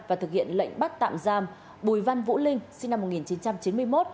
và thực hiện lệnh bắt tạm giam bùi văn vũ linh sinh năm một nghìn chín trăm chín mươi một